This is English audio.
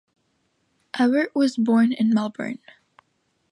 Ewart was born in Melbourne.